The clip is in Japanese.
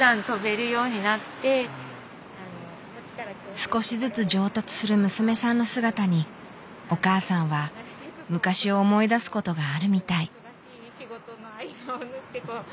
少しずつ上達する娘さんの姿にお母さんは昔を思い出すことがあるみたい。